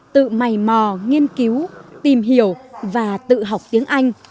tự mầy mò nghiên cứu tìm hiểu và tự học tiếng anh